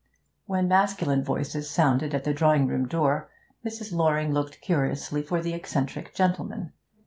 When masculine voices sounded at the drawing room door, Mrs. Loring looked curiously for the eccentric gentleman.